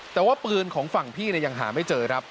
แต่ว่าปืนของฝั่งพี่ยังหาไม่เจอครับ